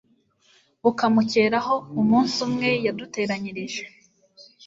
bukamukeraho Umunsi umwe yaduteranyirije